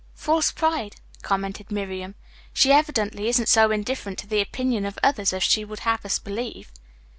"False pride," commented Miriam. "She evidently isn't so indifferent to the opinion of others as she would have us believe."